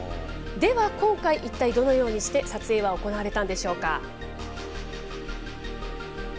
では今回、一体どのようにして撮影は行われたんでしょうか。